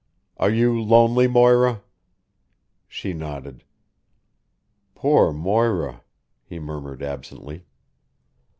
"Are you lonely, Moira?" She nodded. "Poor Moira!" he murmured absently.